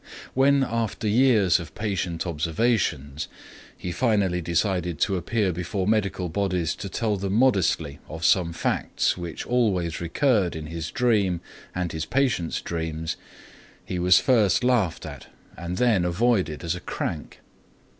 When after years of patient observations, he finally decided to appear before medical bodies to tell them modestly of some facts which always recurred in his dream and his patients' dreams, he was first laughed at and then avoided as a crank.